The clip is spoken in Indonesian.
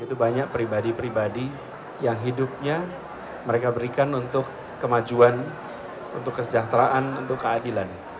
itu banyak pribadi pribadi yang hidupnya mereka berikan untuk kemajuan untuk kesejahteraan untuk keadilan